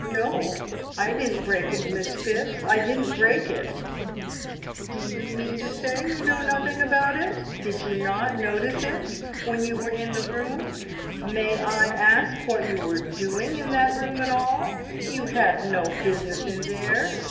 "No, I I didn't break it, Miss Phipps! I didn't break it!" "Do you mean to say you know nothing about it? Did you not notice it when you were in the room? May I ask what you were doing in that room at all? You had no business in there."